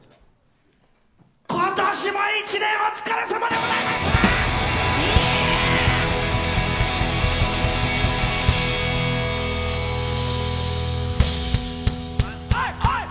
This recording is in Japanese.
今年も１年、お疲れさまでございました、イエーイ！